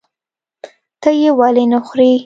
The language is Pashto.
ته یې ولې نخورې؟